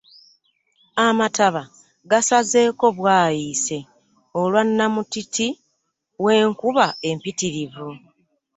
Amataba gasazeeko bwayiise olwa namutiti wenkuba empitirivu.